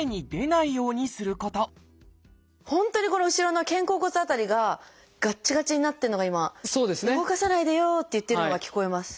本当にこの後ろの肩甲骨辺りががっちがちになってるのが今「動かさないでよ」って言ってるのが聞こえます。